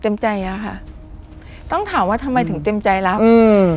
เต็มใจแล้วค่ะต้องถามว่าทำไมถึงเต็มใจรับอืม